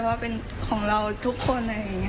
เพราะเป็นของเราทุกคน